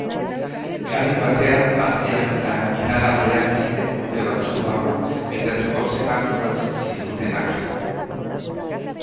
Garai batean aztiak eta iragarleak ziren urte batzuk barru gertatuko zena kontatzen zigutenak.